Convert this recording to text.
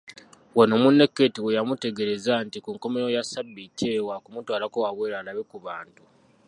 Wano munne Keeti weyamutegeereza nti ku nkomerero ya ssabbiiti eyo wa kumutwalako wabweru alabe ku bantu.